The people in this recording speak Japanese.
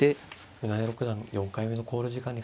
船江六段４回目の考慮時間に入りました。